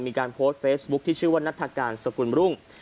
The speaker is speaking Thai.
มีการโพสเฟซบุ๊คที่ชื่อว่าณทาการสคลุ้มรุ้ง